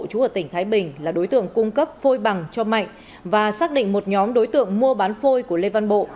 chú ở tỉnh thái bình là đối tượng cung cấp phôi bằng cho mạnh và xác định một nhóm đối tượng mua bán phôi của lê văn bộ